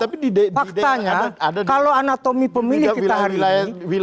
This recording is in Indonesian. tapi faktanya kalau anatomi pemilih kita hari ini